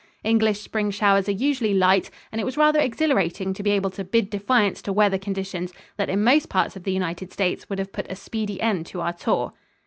English spring showers are usually light, and it was rather exhilarating to be able to bid defiance to weather conditions that in most parts of the United States would have put a speedy end to our tour.